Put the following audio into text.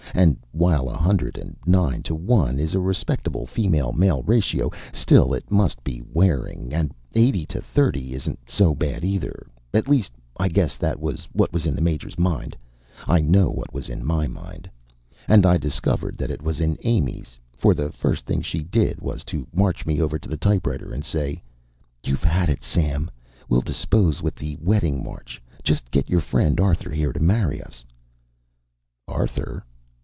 And while a hundred and nine to one is a respectable female male ratio, still it must be wearing; and eighty to thirty isn't so bad, either. At least, I guess that was what was in the Major's mind. I know it was what was in mine. And I discovered that it was in Amy's, for the first thing she did was to march me over to the typewriter and say: "You've had it, Sam. We'll dispose with the wedding march just get your friend Arthur here to marry us." "Arthur?"